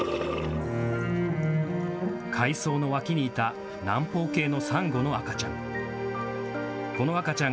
海藻の脇にいた南方系のサンゴの赤ちゃん。